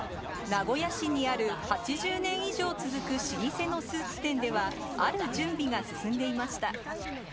名古屋市にある８０年以上続く老舗のスーツ店では、ある準備が進んでいました。